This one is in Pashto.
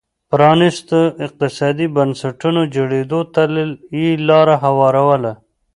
پرانيستو اقتصادي بنسټونو جوړېدو ته یې لار هواروله.